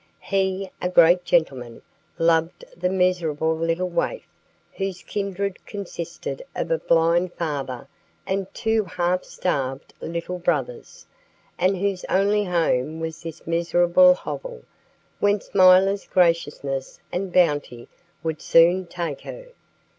He, a great gentleman, loved the miserable little waif whose kindred consisted of a blind father and two half starved little brothers, and whose only home was this miserable hovel, whence milor's graciousness and bounty would soon take her.